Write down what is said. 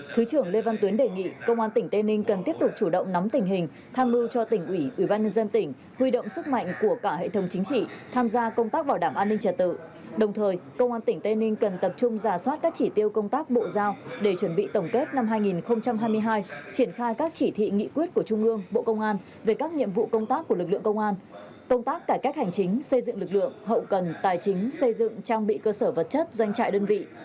thứ trưởng lê văn tuyến nhấn mạnh về công tác cải cách hành chính xây dựng lực lượng hậu cần tài chính xây dựng trang bị cơ sở vật chất doanh trại đơn vị